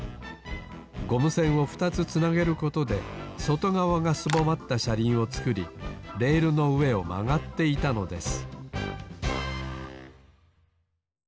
ゴム栓を２つつなげることでそとがわがすぼまったしゃりんをつくりレールのうえをまがっていたのです